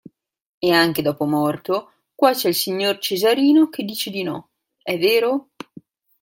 E anche dopo morto, qua c'è il signor Cesarino che dice di no, è vero?